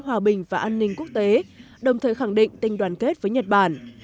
hòa bình và an ninh quốc tế đồng thời khẳng định tình đoàn kết với nhật bản